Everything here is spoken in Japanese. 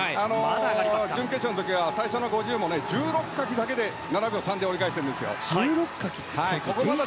準決勝の時は最初の５０も１６かきで７秒３で折り返したんですよね。